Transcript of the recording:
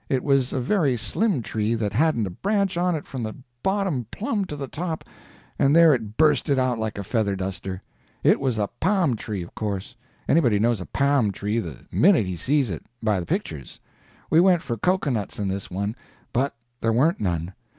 It was a very slim tree that hadn't a branch on it from the bottom plumb to the top, and there it bursted out like a feather duster. It was a pa'm tree, of course; anybody knows a pa'm tree the minute he see it, by the pictures. We went for cocoanuts in this one, but there warn't none.